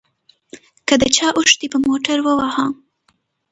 که د چا اوښ دې په موټر ووهه.